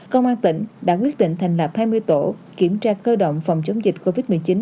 công an tỉnh đã quyết định thành nạp hai mươi tổ kiểm tra cơ động phòng chống dịch covid một mươi chín